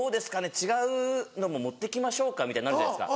違うのも持って来ましょうか」みたいになるじゃないですか。